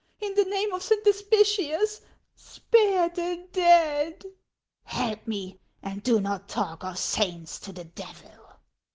In the name of Saint Hospitius, spare the dead !"" Help me, and do not talk of saints to the devil